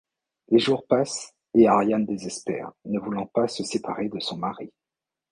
Les jours passent et Ariane désespère, ne voulant pas se séparer de son mari.